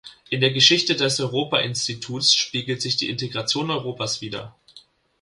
In der Geschichte des Europa-Instituts spiegelt sich die Integration Europas wider.